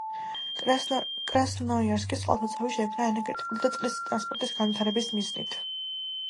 კრასნოიარსკის წყალსაცავი შეიქმნა ენერგეტიკული და წყლის ტრანსპორტის განვითარების მიზნით.